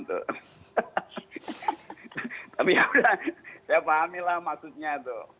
tapi yaudah saya pahamilah maksudnya